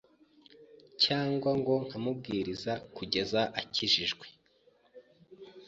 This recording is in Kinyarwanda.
cyangwa ngo nkamubwiriza kugeza akijijwe.